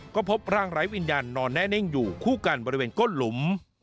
ก็พบร่างไร้วิญญาณนอนแน่นิ่งอยู่คู่กันบริเวณก้นหลุม